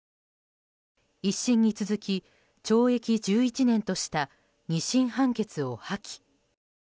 １審に続き、懲役１１年とした２審判決を破棄。